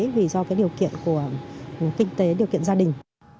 vì do cái điều kiện của kinh tế điều kiện gia đình